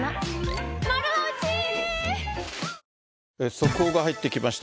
速報が入ってきました。